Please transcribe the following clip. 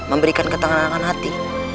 memberikan ketenangan hati